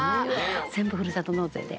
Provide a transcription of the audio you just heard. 全部ふるさと納税で。